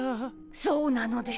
そうなのです。